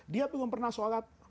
dia belum pernah sholat